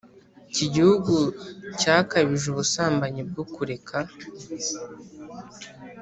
Iki gihugu cyakabije ubusambanyi bwo kureka